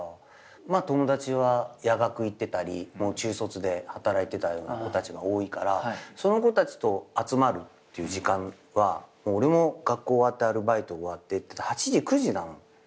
友達は夜学行ってたり中卒で働いてたような子たちが多いからその子たちと集まるっていう時間は俺も学校終わってアルバイト終わって８時９時だもん。